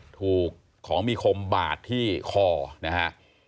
ถูกของมีคมบาดที่คอนะฮะ